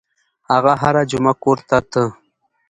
هغه هره جمعه کور ته ته.